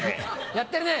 やってるね！